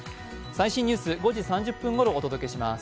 最新ニュース、５時３０分ごろお届けします。